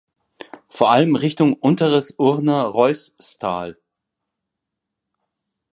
Vor allem Richtung unteres Urner Reusstal.